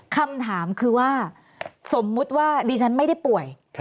คำถามคือว่าสมมุติว่าดิฉันไม่ได้ป่วย